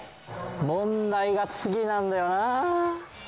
問題が次なんだよな。